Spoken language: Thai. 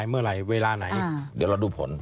เดี๋ยวเราดูผล